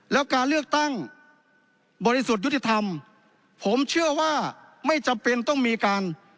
แล้วการเลือกตั้งบริสุทธิ์ยุติธรรมผมเชื่อว่าไม่จำเป็นต้องมีการ